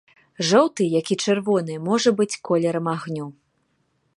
Жоўты, як і чырвоны, можа быць колерам агню.